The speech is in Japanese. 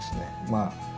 まあ